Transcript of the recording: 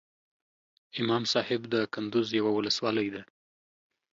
امام صاحب دکندوز یوه ولسوالۍ ده